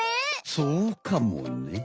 そうかもね。